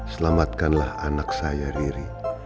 selamatkanlah anak saya riri